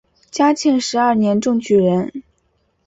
嘉庆十二年中举人。